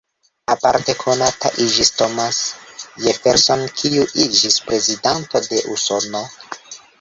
Aparte konata iĝis Thomas Jefferson, kiu iĝis prezidanto de Usono.